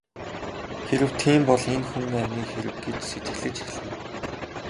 Хэрэв тийм бол энэ хүн амины хэрэг гэж сэжиглэж эхэлнэ.